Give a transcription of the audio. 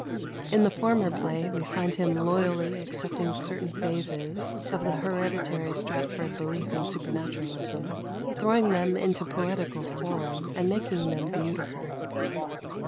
In the former play we find him loyally accepting certain phases of the hereditary Stratford belief in supernaturalism, throwing them into poetical form, and making them beautiful.